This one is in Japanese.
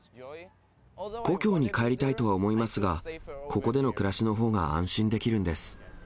故郷に帰りたいとは思いますが、ここでの暮らしのほうが安心できるんです。